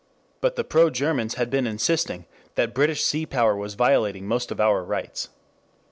But the pro Germans had been insisting that British sea power was violating most of our rights.